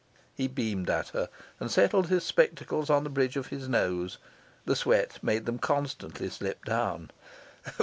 He beamed at her, and settled his spectacles on the bridge of his nose. The sweat made them constantly slip down.